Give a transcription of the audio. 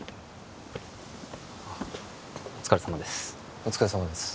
お疲れさまです